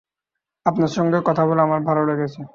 আপনার সঙ্গে কথা বলে আমার ভালো লেগেছে।